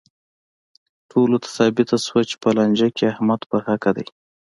ټولو ته ثابته شوه چې په لانجه کې احمد په حقه دی.